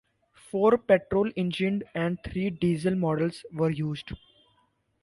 Four petrol-engined and three diesel models were used.